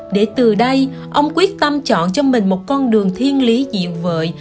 để từ đây ông quyết tâm chọn cho mình một con đường thiên lý dịu vợi